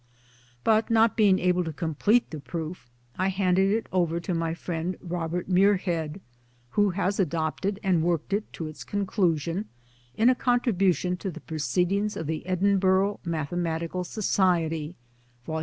But not being able to complete the proof, I handed it over to my friend Robert Muirhead, who has adopted and worked it to its conclusion in a contribution to the Proceedings of the Edinburgh Mathematical Society (Vol.